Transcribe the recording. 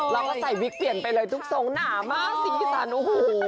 เราก็ใส่วิกเปลี่ยนไปเลยทุกทรงหนามากสิ่งที่สันโอ้โห